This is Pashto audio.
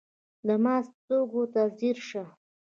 د ما سترګو ته ځیر شه